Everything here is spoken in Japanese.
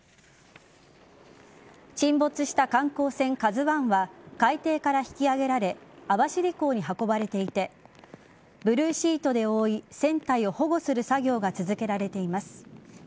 沈没した観光船「ＫＡＺＵ１」は海底から引き揚げられ網走港に運ばれていてブルーシートで覆い船体を保護する作業が続けられています。